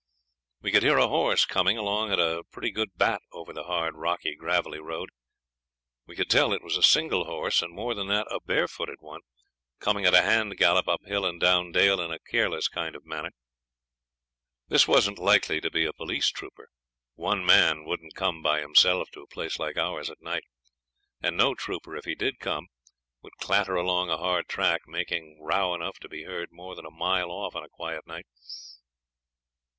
We could hear a horse coming along at a pretty good bat over the hard, rocky, gravelly road. We could tell it was a single horse, and more than that, a barefooted one, coming at a hand gallop up hill and down dale in a careless kind of manner. This wasn't likely to be a police trooper. One man wouldn't come by himself to a place like ours at night; and no trooper, if he did come, would clatter along a hard track, making row enough to be heard more than a mile off on a quiet night.